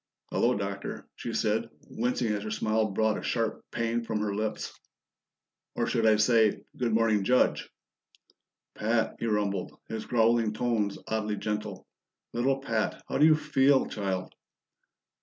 "Hello, Doctor," she said, wincing as her smile brought a sharp pain from her lips. "Or should I say, Good morning, Judge?" "Pat!" he rumbled, his growling tones oddly gentle. "Little Pat! How do you feel, child?"